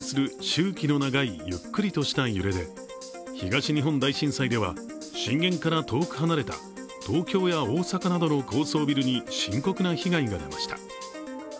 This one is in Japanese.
長周期地震動は、地震で発生する周期の長い、ゆっくりとした揺れで東日本大震災では、震源から遠く離れた東京や大阪などの高層ビルに深刻な被害が出ました。